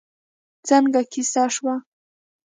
څنګه کېسه شوه؟